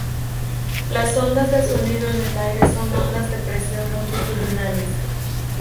Las ondas de sonido en el aire son ondas de presión longitudinales.